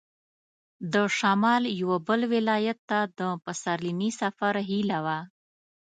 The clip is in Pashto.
د شمال یوه بل ولایت ته د پسرلني سفر هیله وه.